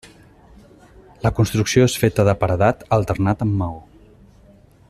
La construcció és feta de paredat alternat amb maó.